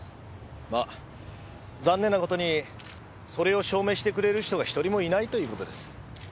まあ残念な事にそれを証明してくれる人が１人もいないという事です。